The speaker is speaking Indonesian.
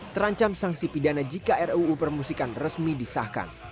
terancam sanksi pidana jika ruu permusikan resmi disahkan